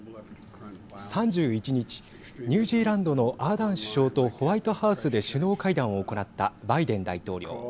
３１日、ニュージーランドのアーダーン首相とホワイトハウスで首脳会談を行ったバイデン大統領。